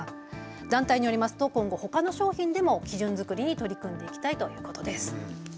団体によりますと今後ほかの商品でも基準づくりに取り組んでいきたいということです。